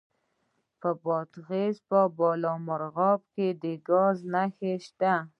د بادغیس په بالامرغاب کې د ګاز نښې شته.